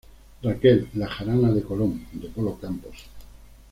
Raquel"", ""La Jarana de Colón"" de Polo Campos.